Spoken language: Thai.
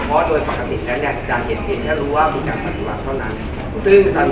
เพราะโดยปกติแน่จะเห็นแค่รู้ว่ามีการปฏิวัติเท่านั้น